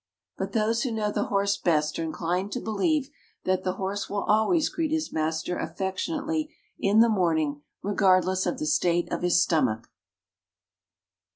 But those who know the horse best are inclined to believe that the horse will always greet his master affectionately in the morning regardless of the state of his stomach.